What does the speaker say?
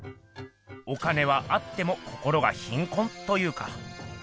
お金はあっても心が貧困というか。